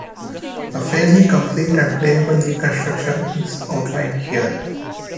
A fairly complete and playable reconstruction is outlined here.